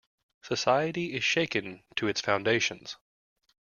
Society is shaken to its foundations.